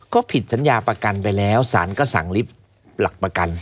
ก็ผิดสัญญาประกันไปแล้วสารก็สั่งลิฟต์หลักประกัน